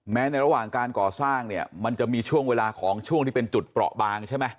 ในระหว่างการก่อสร้างเนี่ยมันจะมีช่วงเวลาของช่วงที่เป็นจุดเปราะบางใช่ไหม